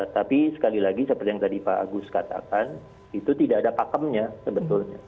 tapi sekali lagi seperti yang tadi pak agus katakan itu tidak ada pakemnya sebetulnya